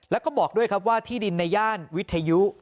แล้วก็บอกด้วยครับว่าที่ดินในย่านวิทยุ